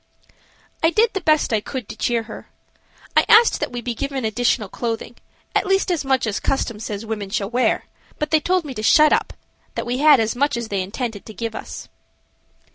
I did the best I could to cheer her. I asked that we be given additional clothing, at least as much as custom says women shall wear, but they told me to shut up; that we had as much as they intended to give us.